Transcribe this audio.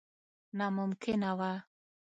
ناممکنه وه.